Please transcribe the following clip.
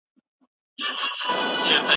ایا ته د جارج واټسن کوم کتاب لرې؟